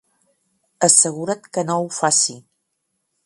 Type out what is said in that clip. Assegura't que no ho faci!